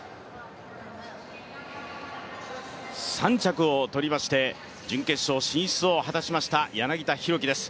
３着を取りまして、準決勝進出を果たしました柳田選手です。